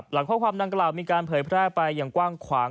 หลังข้อความดังกล่าวมีการเผยแพร่ไปอย่างกว้างขวาง